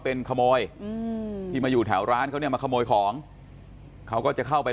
เป็นขโมยอืมที่มาอยู่แถวร้านเขาเนี่ยมาขโมยของเขาก็จะเข้าไป